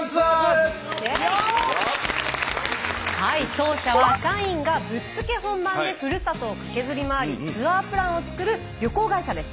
当社は社員がぶっつけ本番でふるさとをカケズり回りツアープランを作る旅行会社です。